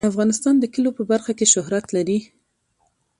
افغانستان د کلیو په برخه کې شهرت لري.